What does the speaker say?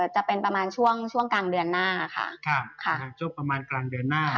จะเป็นประมาณช่วงกลางเดือนหน้า